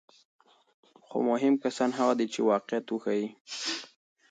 خو مهم کسان هغه دي چې واقعیت وښيي.